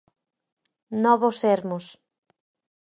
Novo Sermos.